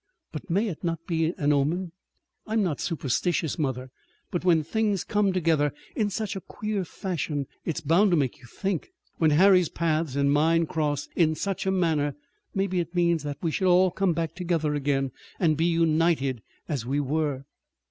"But may it not be an omen? I'm not superstitious, mother, but when things come together in such a queer fashion it's bound to make you think. When Harry's paths and mine cross in such a manner maybe it means that we shall all come together again, and be united as we were."